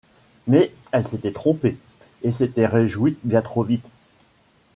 Mais elle s'était trompée et s'était réjouie bien trop vite.